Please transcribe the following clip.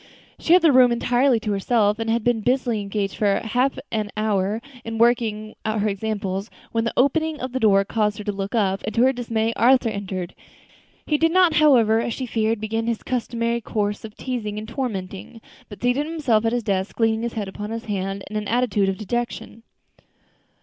She had the room entirely to herself, and had been busily engaged for half an hour in working out her examples, when the opening of the door caused her to look up, and, to her dismay, Arthur entered. He did not, however, as she feared, begin his customary course of teasing and tormenting, but seated himself at his desk, leaning his head upon his hand in an attitude of dejection.